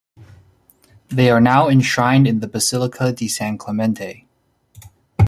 They are now enshrined in the Basilica di San Clemente.